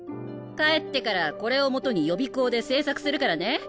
帰ってからこれを基に予備校で制作するからね。